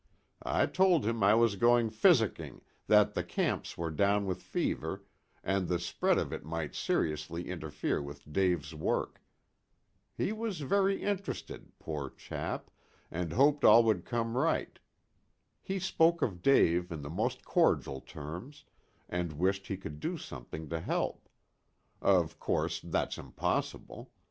I told him I was going physicking, that the camps were down with fever, and the spread of it might seriously interfere with Dave's work. He was very interested, poor chap, and hoped all would come right. He spoke of Dave in the most cordial terms, and wished he could do something to help. Of course, that's impossible.